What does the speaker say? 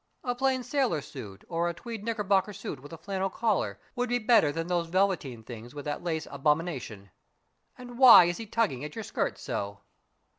A plain sailor suit, or a tweed knickerbocker suit with a flannel collar, would be better than those velveteen things with that lace abomination. And why is he tugging at your skirt so?"